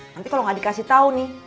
nanti kalo gak dikasih tau nih